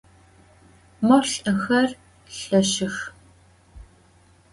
Mo lh'ıxer lheşşıx.